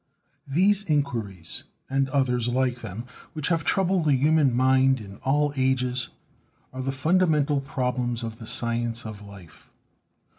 These inquiries and others like them which have troubled the human mind in all ages are the fundamental problems of the science of life.